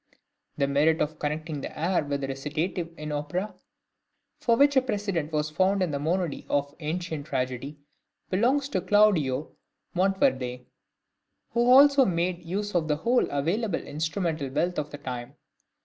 The merit of connecting the air with the recitative in opera for which a precedent was found in the monody of ancient tragedy belongs to Claudio Monteverde, who also made use of the whole available instrumental wealth of the time.